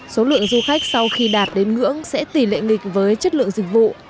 số lượng du khách sau khi đạt đến ngưỡng sẽ tỷ lệ nghịch với chất lượng dịch vụ